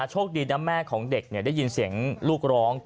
โชคดีนะแม่ของเด็กได้ยินเสียงลูกร้อง